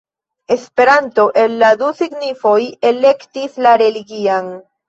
Esperanto el la du signifoj elektis la religian.